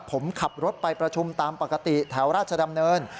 ผมขับรถไปประชุมตามปกติแถวราชดำเนิน